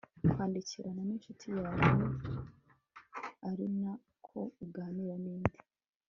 kwandikirana n'incuti yawe ari na ko uganira n'indi